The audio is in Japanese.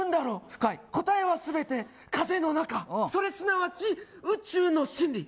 深い答えは全て風の中それすなわち宇宙の真理